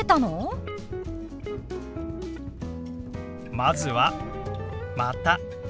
まずは「また」。